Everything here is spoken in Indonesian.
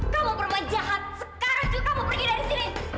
kamu perempuan jahat sekarang juga mau pergi dari sini